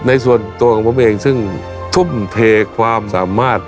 ในส่วนตัวของผมเองซึ่งทุ่มเทความสามารถ